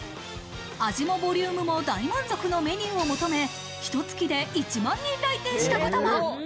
味もボリュームも大満足のメニューを求め、ひと月で１万人来店したことも。